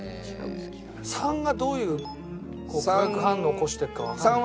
３がどういう化学反応を起こしてるかわからない。